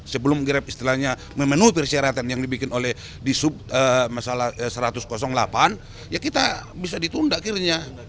sebelum grab istilahnya memenuhi persyaratan yang dibikin oleh di sub masalah satu ratus delapan ya kita bisa ditunda akhirnya